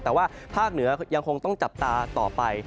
แต่ว่าภาคเหนือยังคงต้องจับตาต่อไป